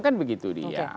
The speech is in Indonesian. kan begitu dia